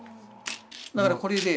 だからこれで。